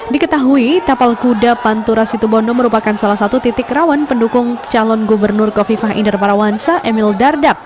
diketahui tapal kuda panturasi tubondo merupakan salah satu titik kerawan pendukung calon gubernur kofifah inderparawansa emil dardak